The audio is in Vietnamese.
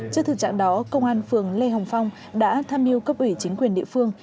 trước thực trạng đó công an phường lê hồng phong đã tham mưu cấp ủy chính quyền địa phương